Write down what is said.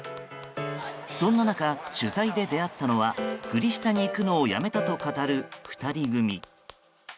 そんな中、取材で出会ったのはグリ下に行くのをやめたと語る２人組。